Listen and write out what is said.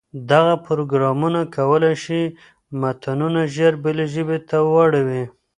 دغه پروګرامونه کولای شي متنونه ژر بلې ژبې ته واړوي.